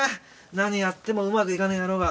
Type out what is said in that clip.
何やってもうまくいかねえ野郎が。